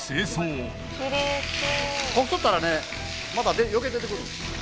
こすったらねまた余計出てくる。